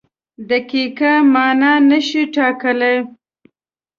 دقیقه مانا نشي ټاکلی.